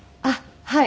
はい。